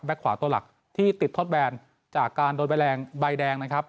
ขวาตัวหลักที่ติดทดแบนจากการโดนใบแรงใบแดงนะครับ